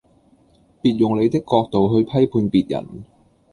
別用你的角度去批判別人